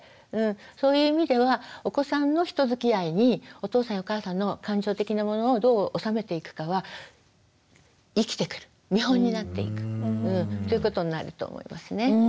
そういう意味ではお子さんの人づきあいにお父さんやお母さんの感情的なものをどう収めていくかは生きてくる見本になっていくということになると思いますね。